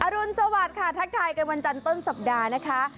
รุนสวัสดิ์ค่ะทักทายกันวันจันทร์ต้นสัปดาห์นะคะ